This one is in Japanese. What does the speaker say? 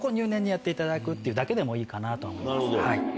やっていただくっていうだけでもいいかなとは思います。